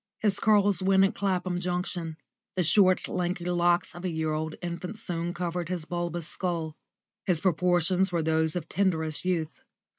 His curls went at Clapham Junction; the short, lanky locks of a year old infant soon covered his bulbous skull; his proportions were those of tenderest youth.